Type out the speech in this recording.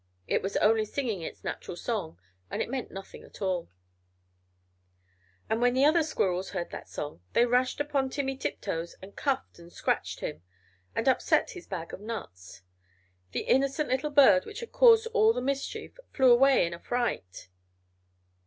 It was only singing its natural song, and it meant nothing at all. But when the other squirrels heard that song, they rushed upon Timmy Tiptoes and cuffed and scratched him, and upset his bag of nuts. The innocent little bird which had caused all the mischief, flew away in a fright!